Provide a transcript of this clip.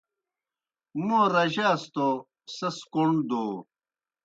موں رجاس توْ سیْس کوْݨ دَو۔